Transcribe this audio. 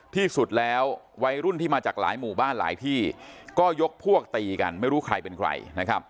ที่สุดแล้ววัยรุ่นที่มาจากหลายหมู่บ้านหลายที่ก็ยกพวกตีกันไม่รู้ใครเป็นใครนะครับ